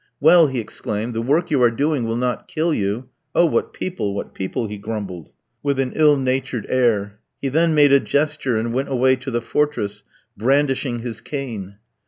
"Well," he exclaimed, "the work you are doing will not kill you. Oh, what people, what people!" he grumbled, with an ill natured air. He then made a gesture, and went away to the fortress, brandishing his cane.